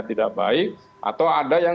tidak baik atau ada yang